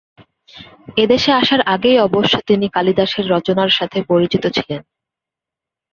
এদেশে আসার আগেই অবশ্য তিনি কালিদাসের রচনার সাথে পরিচিত ছিলেন।